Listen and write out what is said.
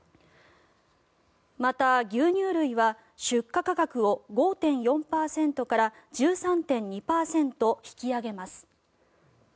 また、牛乳類は出荷価格を５．４％から１３．２％引き上げます。